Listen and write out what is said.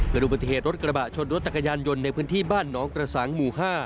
ดูปฏิเหตุรถกระบะชนรถจักรยานยนต์ในพื้นที่บ้านหนองกระสังหมู่๕